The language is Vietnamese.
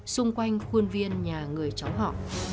xung quanh khuôn viên nhà người cháu họ